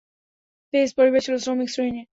Page পরিবার ছিল শ্রমিক শ্রেণির।